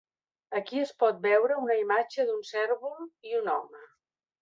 Aquí es pot veure una imatge d'un cérvol i un home.